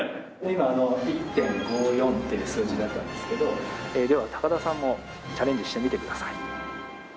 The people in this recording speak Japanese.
今１．５４って数字だったんですけどでは高田さんもチャレンジしてみてください。